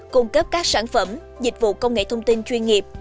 cung cấp các sản phẩm dịch vụ công nghệ thông tin chuyên nghiệp